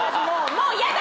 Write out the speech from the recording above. もうやだ！